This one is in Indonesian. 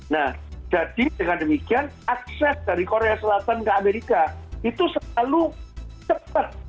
nah jadi dengan demikian akses dari korea selatan ke amerika itu selalu cepat